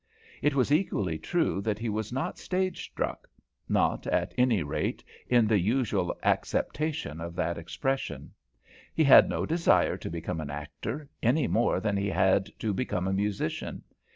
It was equally true that he was not stage struck not, at any rate, in the usual acceptation of that expression. He had no desire to become an actor, any more than he had to become a musician.